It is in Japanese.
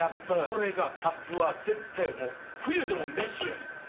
これがキャップは絶対冬でもメッシュやねんここ。